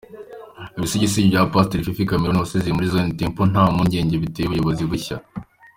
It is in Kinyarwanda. Ibisigisigi bya Pasiteri Fifi Cameron wasezeye muri Zion Temple nta mpungenge biteye ubuyobozi bushya.